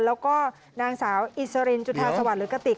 แล้วก็นางสาวอิสรินจุธาสวรรค์หรือกระติก